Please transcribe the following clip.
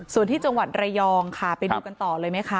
ส่วนที่จังหวัดระยองค่ะไปดูกันต่อเลยไหมคะ